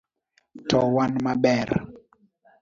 To wan maber